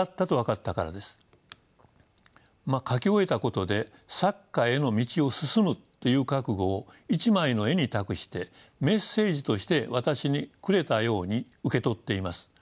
描き終えたことで作家への道を進むという覚悟を「一枚の絵」に託してメッセージとして私にくれたように受け取っています。